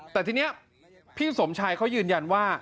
แต่ทีนี้พี่สมชายเขายืนยันว่า